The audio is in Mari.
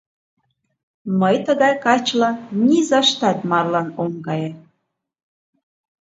— Мый тыгай качылан низаштат марлан ом кае!